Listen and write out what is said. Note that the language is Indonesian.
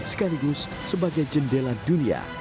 sekaligus sebagai jendela dunia